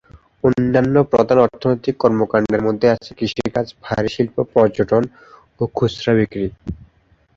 অন্যান্য প্রধান অর্থনৈতিক কর্মকাণ্ডের মধ্যে আছে কৃষিকাজ, ভারী শিল্প, পর্যটন এবং খুচরা বিক্রি।